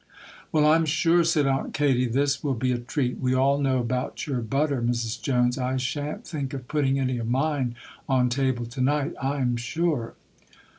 'Well, I'm sure,' said Aunt Katy, 'this will be a treat; we all know about your butter, Mrs. Jones. I sha'n't think of putting any of mine on table to night, I'm sure.